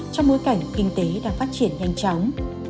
trong bối cảnh kinh tế đang phát triển nhanh chóng